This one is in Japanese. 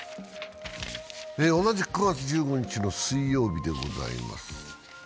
同じく９月１５日の水曜日でございます。